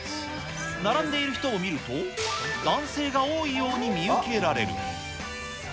並んでいる人を見ると、男性が多いように見受けられる。